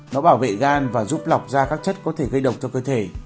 nó bảo vệ gan và giúp lọc ra các chất có thể gây độc cho cơ thể